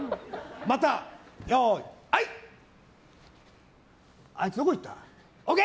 また、よーいはい！ってあいつどこ行った？でＯＫ！